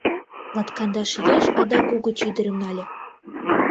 Латкандаш ияш адак угыч ӱдырым нале.